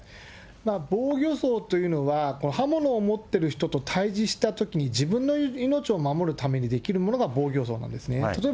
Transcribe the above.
防御創というのは、刃物を持ってる人と対じしたときに自分の命を守るために出来るものが防御そうなんですね。